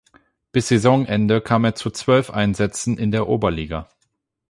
Bis Saisonende kam er zu zwölf Einsätzen in der Oberliga.